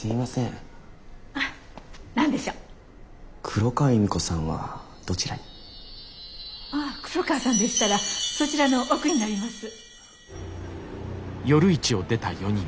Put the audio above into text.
黒川由美子さんはどちらに？ああ黒川さんでしたらそちらの奥になります。